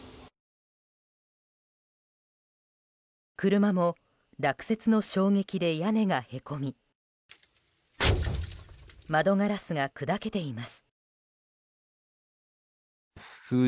車も、落雪の衝撃で屋根がへこみ窓ガラスが砕けています。